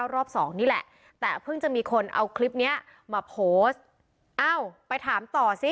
รอบสองนี่แหละแต่เพิ่งจะมีคนเอาคลิปเนี้ยมาโพสต์เอ้าไปถามต่อสิ